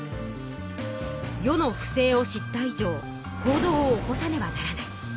世の不正を知った以上行動を起こさねばならない。